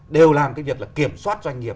đều làm cái việc kiểm soát doanh nghiệp